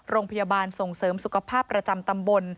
โรงพยาบาลส่งเสริมสุขภาพประจำตำบล